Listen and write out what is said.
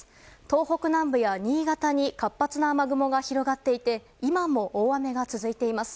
東北南部や新潟に活発な雨雲が広がっていて今も大雨が続いています。